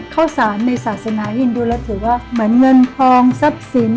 ข้าวสารในศาสนาอินดูแล้วถือว่าเหมือนเงินทองทรัพย์สิน